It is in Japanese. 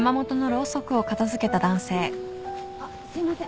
あっすいません。